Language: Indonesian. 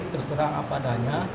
terserah apa adanya